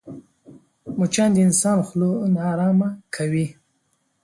مچان د انسان خوله ناارامه کوي